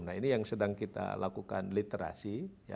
nah ini yang sedang kita lakukan literasi